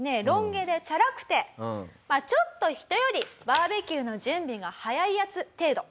毛でチャラくてちょっと人よりバーベキューの準備が早いヤツ程度。